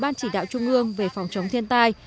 ban chỉ đạo trung ương về phòng chống thiên tai